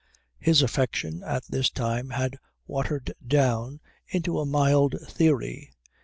His affection at this time had watered down into a mild theory.